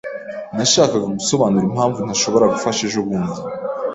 Nashakaga gusobanura impamvu ntashobora gufasha ejobundi.